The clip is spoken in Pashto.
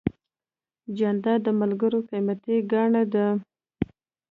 جانداد د ملګرو قیمتي ګاڼه ده.